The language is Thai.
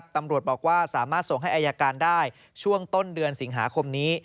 ตำรวจบอกว่าสามารถส่งให้อายการได้ช่วงต้นเดือนสิงหาคมนี้